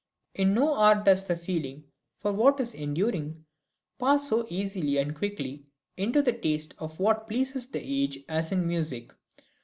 In no art does the feeling for what is enduring pass so easily and quickly into the taste for what pleases the age as in music.